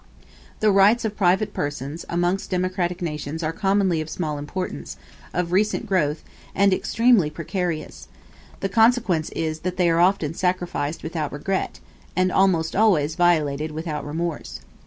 The rights of private persons amongst democratic nations are commonly of small importance, of recent growth, and extremely precarious the consequence is that they are often sacrificed without regret, and almost always violated without remorse.